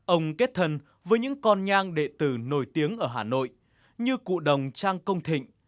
ông kết thân với những con nhang đệ tử nổi tiếng ở hà nội như cụ đồng trang công thịnh